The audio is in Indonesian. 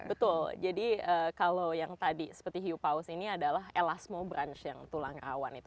betul jadi kalau yang tadi seperti hiu paus ini adalah elasmobranch yang tulang rawan itu